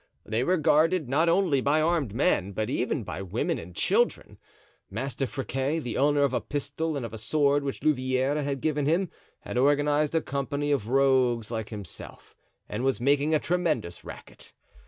They were guarded, not only by armed men, but even by women and children. Master Friquet, the owner of a pistol and of a sword which Louvieres had given him, had organized a company of rogues like himself and was making a tremendous racket.